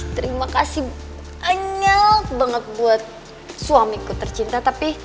terima kasih banyak banget buat suamiku tercinta tapi